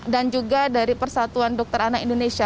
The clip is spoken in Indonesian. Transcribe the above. dan juga dari persatuan dokter anak indonesia